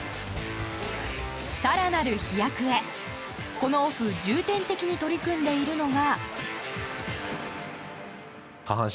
更なる飛躍へ、このオフ重点的に取り組んでいるのが。